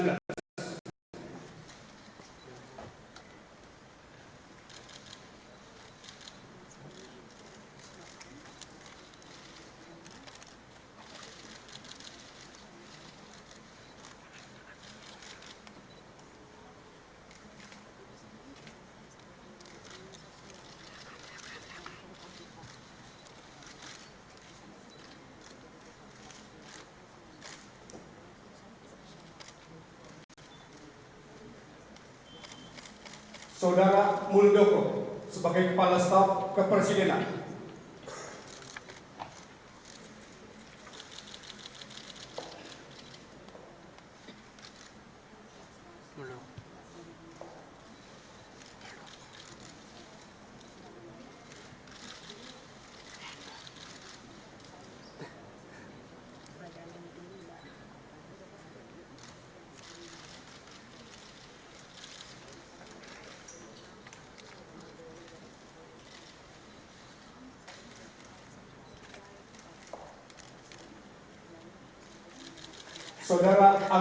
dibohon menuju meja penandatanganan